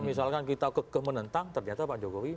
misalkan kita kekeh menentang ternyata pak jokowi